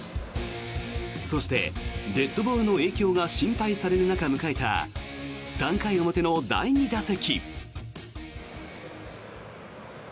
そして、デッドボールの影響が心配される中、迎えた３回表の第２打席。